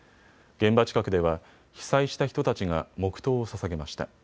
現場近くでは被災した人たちが黙とうをささげました。